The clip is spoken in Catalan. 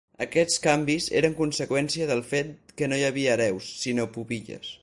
Aquests canvis eren conseqüència del fet que no hi havia hereus sinó pubilles.